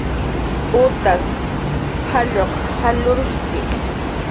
Utas jalluq jallurshki